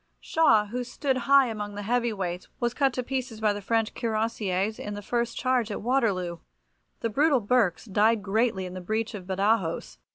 Shaw, who stood high among the heavy weights, was cut to pieces by the French Cuirassiers in the first charge at Waterloo. The brutal Berks died greatly in the breach of Badajos.